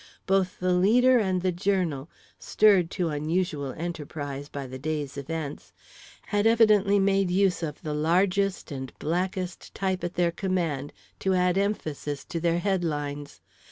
Both the Leader and the Journal, stirred to unusual enterprise by the day's events, had evidently made use of the largest and blackest type at their command to add emphasis to their headlines.